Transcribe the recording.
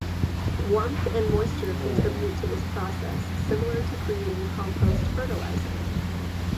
Warmth and moisture contribute to this process, similar to creating compost fertilizer.